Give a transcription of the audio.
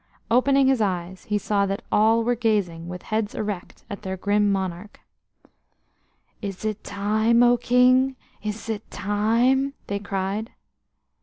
Opening his eyes, he saw that all were gazing with heads erect at their grim monarch. "Is it time, O King, is it time?" they cried.